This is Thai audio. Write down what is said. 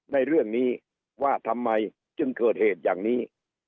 ในเรื่องนี้ว่าทำไมจึงเกิดเหตุอย่างนี้